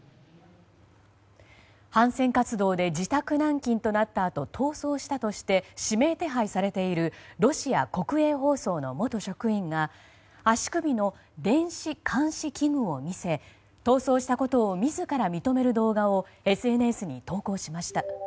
反戦活動で自宅軟禁となったあと逃走したとして指名手配されているロシア国営放送の元職員が足首の電子監視器具を見せ逃走したことを自ら認める動画をＳＮＳに投稿しました。